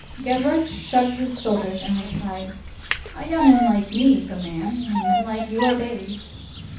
Gavroche shrugged his shoulders, and replied:— "A young 'un like me's a man, and men like you are babes."